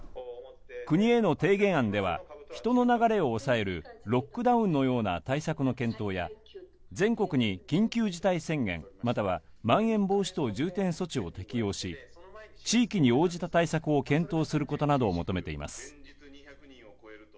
国への提言案では、人の流れを抑えるロックダウンのような対策の検討や、全国に緊急事態宣言、またはまん延防止等重点措置を適用し、地域に応じた対策を検討することなどを求めています。